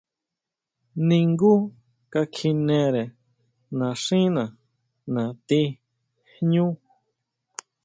Ningú ka kjinere naxína nati jñú.